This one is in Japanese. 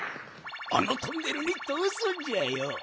あのトンネルにとおすんじゃよ。